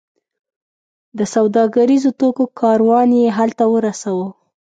د سوداګریزو توکو کاروان یې هلته ورساوو.